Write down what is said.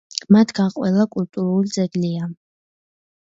მათგან ყველა კულტურული ძეგლია.